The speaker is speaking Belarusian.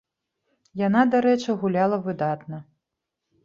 Яна, дарэчы, гуляла выдатна.